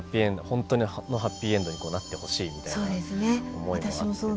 本当のハッピーエンドになってほしいみたいな思いもあって。